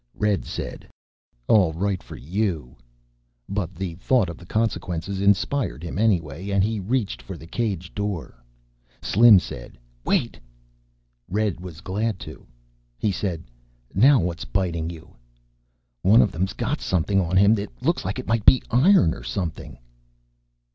Red said, "All right for you." But the thought of the consequences inspired him anyway, and he reached for the cage door. Slim said, "Wait!" Red was glad to. He said, "Now what's biting you?" "One of them's got something on him that looks like it might be iron or something."